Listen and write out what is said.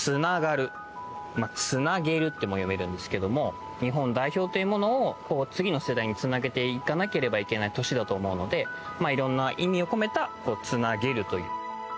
つながる、つなげるとも読めるんですけども日本代表というものを次の世代につなげていかなければいけない年だと思うので色んな意味を込めたつなげるという。